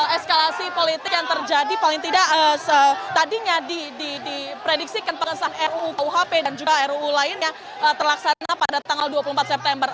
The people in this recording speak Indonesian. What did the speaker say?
eskalasi politik yang terjadi paling tidak tadinya diprediksikan pengesahan ruu kuhp dan juga ruu lainnya terlaksana pada tanggal dua puluh empat september